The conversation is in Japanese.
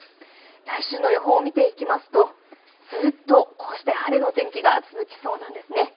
来週の予報を見ていきますとずっとこうして晴れの天気が続きそうなんですね。